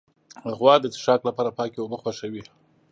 غوا د څښاک لپاره پاکې اوبه خوښوي.